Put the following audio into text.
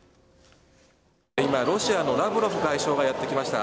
今、ロシアのラブロフ外相がやってきました。